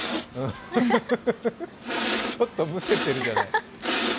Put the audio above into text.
ちょっとむせてるじゃない。